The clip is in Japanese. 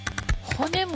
骨も。